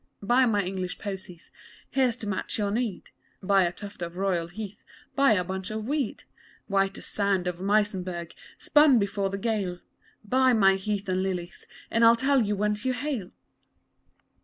Buy my English posies! Here's to match your need Buy a tuft of royal heath, Buy a bunch of weed White as sand of Muysenberg Spun before the gale Buy my heath and lilies And I'll tell you whence you hail!